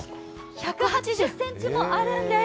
１８０ｃｍもあるんです。